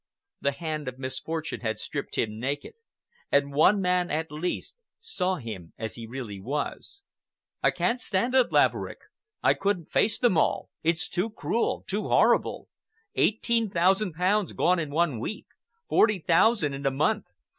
The hand of misfortune had stripped him naked, and one man, at least, saw him as he really was. "I can't stand it, Laverick,—I couldn't face them all. It's too cruel—too horrible! Eighteen thousand pounds gone in one week, forty thousand in a month!